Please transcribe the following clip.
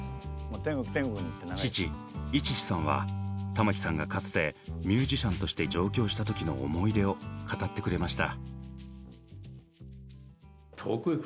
父一士さんは玉置さんがかつてミュージシャンとして上京した時の思い出を語ってくれました。